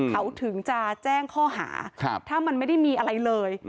เขาถึงจะแจ้งข้อหาถ้ามันไม่ได้มีอะไรเลย